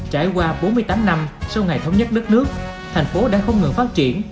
trải qua bốn mươi tám năm sau ngày thống nhất đất nước thành phố đã không ngừng phát triển